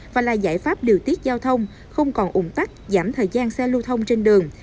và là giải pháp điều tiết giao thông không còn ủng tắc giảm thời gian xe lưu thông trên đường